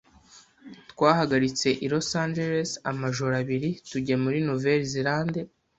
Twahagaritse i Los Angeles amajoro abiri tujya muri Nouvelle-Zélande.